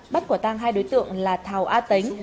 bắt quả tăng hai đối tượng là thảo a tánh